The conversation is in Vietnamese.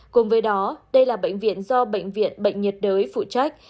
cùng với đó đây là bệnh viện do bệnh viện bệnh nhiệt đới phụ trách